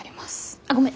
あっごめん。